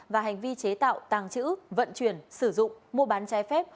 và hành vi chế tạo tàng trữ vận chuyển sử dụng mua bán trái phép